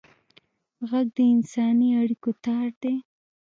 غږ د انساني اړیکو تار دی